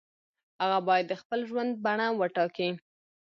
هغه باید د خپل ژوند بڼه وټاکي.